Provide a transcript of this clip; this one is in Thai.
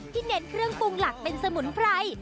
เน้นเครื่องปรุงหลักเป็นสมุนไพร